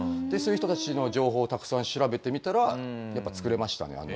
そういう人たちの情報をたくさん調べてみたらやっぱ作れましたね